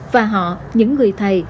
và họ những người thầy